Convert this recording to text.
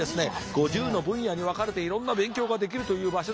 ５０の分野に分かれていろんな勉強ができるという場所です。